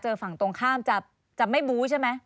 ฝั่งตรงข้ามจะไม่บู้ใช่ไหม